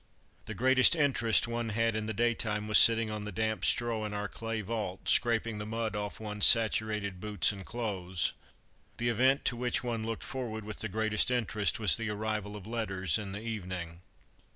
The greatest interest one had in the daytime was sitting on the damp straw in our clay vault, scraping the mud off one's saturated boots and clothes. The event to which one looked forward with the greatest interest was the arrival of letters in the evening.